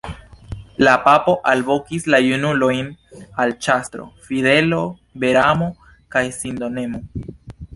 La papo alvokis la junulojn al ĉasto, fidelo, vera amo kaj sindonemo.